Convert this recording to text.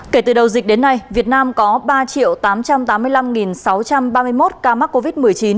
kể từ đầu dịch đến nay việt nam có ba tám trăm tám mươi năm sáu trăm ba mươi một ca mắc covid một mươi chín